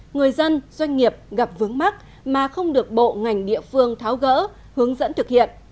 người dân doanh nghiệp gặp vướng mắt mà không được bộ ngành địa phương tháo gỡ hướng dẫn thực hiện